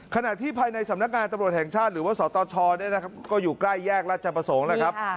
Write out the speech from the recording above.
ขณะที่ภายในสำนักงานตำรวจแห่งชาติหรือว่าสตชก็อยู่ใกล้แยกราชประสงค์แล้วครับ